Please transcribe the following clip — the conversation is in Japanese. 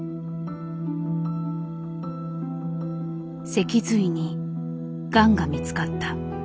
脊髄にガンが見つかった。